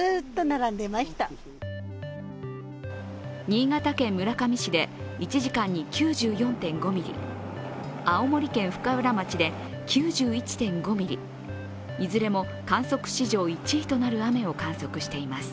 新潟県村上市で１時間に９４．５ミリ、青森県深浦町で９１．５ミリ、いずれも観測史上１位となる雨を観測しています。